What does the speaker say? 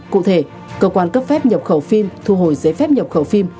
cụ thể cơ quan cấp phép nhập khẩu phim thu hồi giấy phép nhập khẩu phim